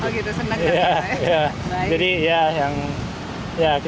oh gitu senang gak